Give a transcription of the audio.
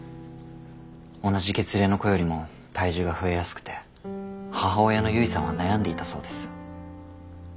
同じ月齢の子よりも体重が増えやすくて母親の唯さんは悩んでいたそうです。